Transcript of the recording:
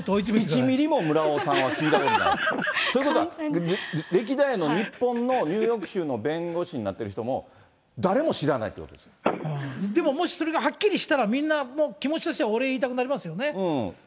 １ミリも村尾さんは聞いたことないと。ということは、歴代の日本のニューヨーク州の弁護士になってる人も、でももし、それがはっきりしたら、みんな、気持ちとしてはお礼言いたくなりますよね。